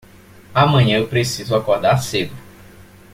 Amanhã eu preciso acordar cedo.